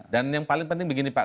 dan yang paling penting begini pak